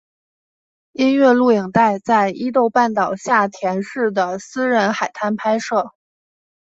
音乐录影带在伊豆半岛下田市的私人海滩拍摄。